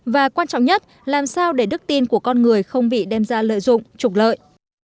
và quan trọng nhất làm sao để đức tin của con người không bị đem ra lợi dụng trục lợi